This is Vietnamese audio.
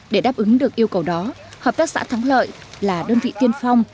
để đáp ứng được yêu cầu đó hợp tác xã thắng lợi là đơn vị tiên phong